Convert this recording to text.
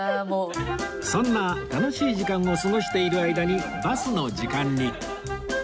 そんな楽しい時間を過ごしている間にバスの時間に